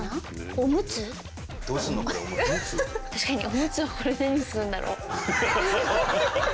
おむつをこれで何するんだろう？